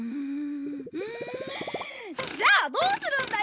じゃあどうするんだよ！